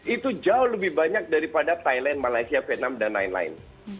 itu jauh lebih banyak daripada thailand malaysia vietnam dan lain lain